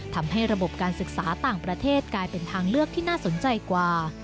ทำให้ระบบการศึกษาต่างประเทศกลายเป็นทางเลือกที่น่าสนใจกว่า